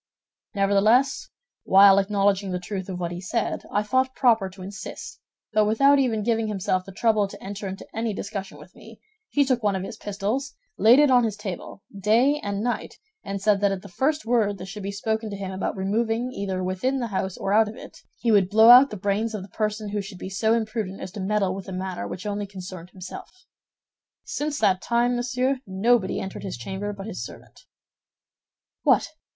Nevertheless, while acknowledging the truth of what he said, I thought proper to insist; but without even giving himself the trouble to enter into any discussion with me, he took one of his pistols, laid it on his table, day and night, and said that at the first word that should be spoken to him about removing, either within the house or out of it, he would blow out the brains of the person who should be so imprudent as to meddle with a matter which only concerned himself. Since that time, monsieur, nobody entered his chamber but his servant." "What!